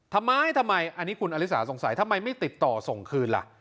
ทำไมทำไมอันนี้คุณอลิสาสงสัยทำไมไม่ติดต่อส่งคืนล่ะ